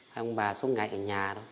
hai ông bà suốt ngày ở nhà đó